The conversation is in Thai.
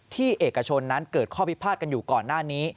เอกชนนั้นเกิดข้อพิพาทกันอยู่ก่อนหน้านี้